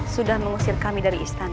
sudah mengusir kami dari istana